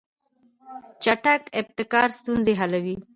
چټک ابتکار ستونزې حلوي.